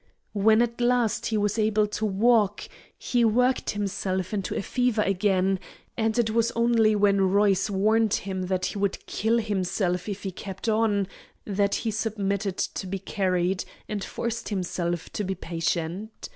When at last he was able to walk, he worked himself into a fever again, and it was only when Royce warned him that he would kill himself if he kept on that he submitted to be carried, and forced himself to be patient.